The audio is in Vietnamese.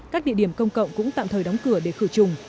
các địa điểm công cộng cũng tạm thời đóng cửa để khử trùng